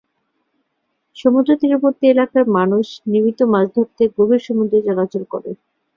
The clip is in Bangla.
সমুদ্র তীরবর্তী এলাকার মানুষ নিয়মিত মাছ ধরতে গভীর সমুদ্রে চলাচল করে।